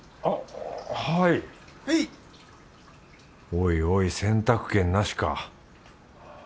おいおい選択権なしか。